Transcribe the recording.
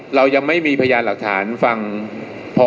เรายังไม่มีพยานหลักฐานฟังพอ